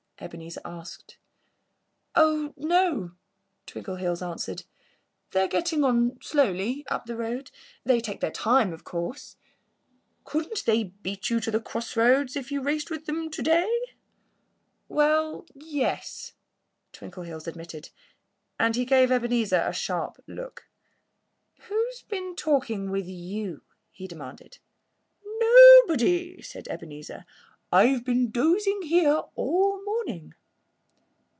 Ebenezer asked. "Oh, no!" Twinkleheels answered. "They're getting on slowly, up the road. They take their time, of course." "Couldn't they beat you to the crossroads if you raced with them to day?" "Well yes!" Twinkleheels admitted. And he gave Ebenezer a sharp look. "Who's been talking with you?" he demanded. "Nobody!" said Ebenezer. "I've been dozing here all the morning."